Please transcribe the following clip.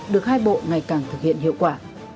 được hai bộ ngày càng thực hiện hiệu quả